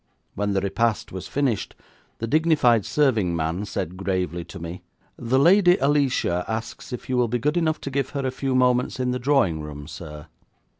When the repast was finished, the dignified servingman said gravely to me, 'The Lady Alicia asks if you will be good enough to give her a few moments in the drawing room, sir.'